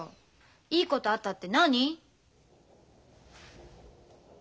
いいことあったって何？